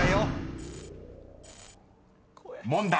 ［問題］